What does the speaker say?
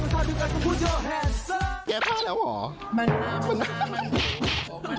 วันนี้เกี่ยวกับกองถ่ายเราจะมาอยู่กับว่าเขาเรียกว่าอะไรอ่ะนางแบบเหรอ